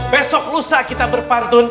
besok lusa kita berpantun